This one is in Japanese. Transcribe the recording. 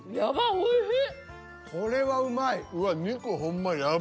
おいしい。